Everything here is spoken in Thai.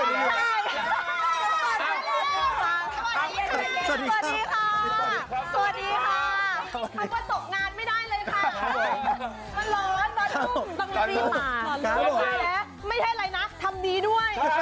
มันร้อนต้องรีบมา